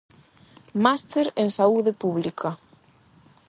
Máster en Saúde Pública.